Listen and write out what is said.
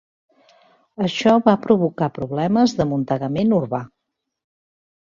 Això va provocar problemes d'amuntegament urbà.